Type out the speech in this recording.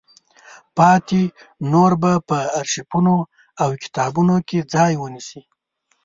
پاتې نورې به په ارشیفونو او کتابونو کې ځای ونیسي.